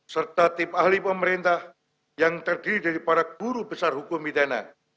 serta tim ahli pemerintah yang terdiri dari para guru besar hukum pidana